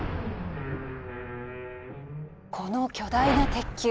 この巨大な鉄球。